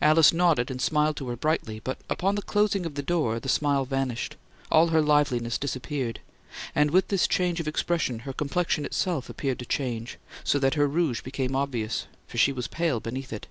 Alice nodded and smiled to her brightly, but upon the closing of the door, the smile vanished; all her liveliness disappeared; and with this change of expression her complexion itself appeared to change, so that her rouge became obvious, for she was pale beneath it.